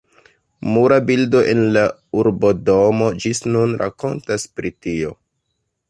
Mura bildo en la urbodomo ĝis nun rakontas pri tio.